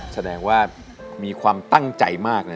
แสดงว่ามีความตั้งใจมากเลย